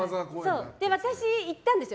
私、行ったんですよ